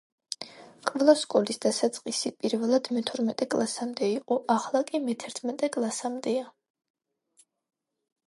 ყველა სკოლის დასაწყისი პირველად მეთორმეტე კლასამდე იყო, ახლა კი მეთერთმეტე კლასამდეა